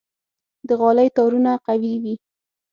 د غالۍ تارونه قوي وي.